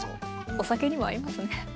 お酒にも合いますね。